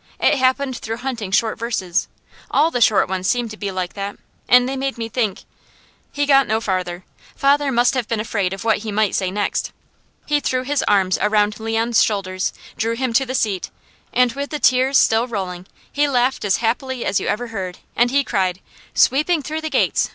It happened through hunting short verses. All the short ones seemed to be like that, and they made me think " He got no farther. Father must have been afraid of what he might say next. He threw his arms around Leon's shoulders, drew him to the seat, and with the tears still rolling, he laughed as happily as you ever heard, and he cried: "'Sweeping through the Gates!'